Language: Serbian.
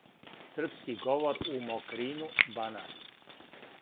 српски говор у Мокрину Банат